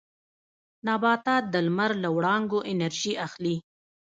نباتات د لمر له وړانګو انرژي اخلي